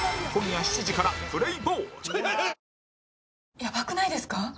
やばくないですか？